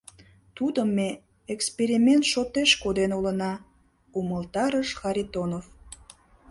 — Тудым ме эксперимент шотеш коден улына, — умылтарыш Харитонов.